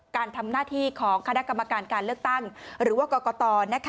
การทำหน้าที่ของคณะกรรมการการเลือกตั้งหรือว่ากรกต